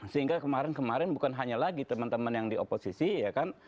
sehingga kemarin kemarin bukan hanya lagi teman teman yang di oposisi ya kan